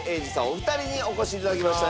お二人にお越しいただきました。